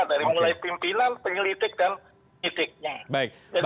dari mulai pimpinan penyelidik dan penyidiknya